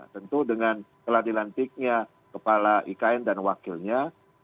tentu dengan telah dilantiknya kepala ikn dan wakilnya